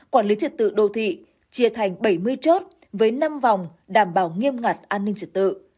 quản lý trật tự đô thị chia thành bảy mươi chốt với năm vòng đảm bảo nghiêm ngặt an ninh trật tự